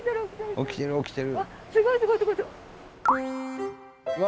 起きてる起きてる！